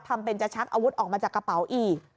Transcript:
ทำเป็นจะชักอาวุธออกมาจากกระเป๋าอีก